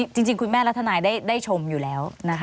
จริงคุณแม่และทนายได้ชมอยู่แล้วนะคะ